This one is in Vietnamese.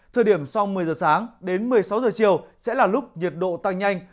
thời điểm sau một mươi giờ sáng đến một mươi sáu giờ chiều sẽ là lúc nhiệt độ tăng nhanh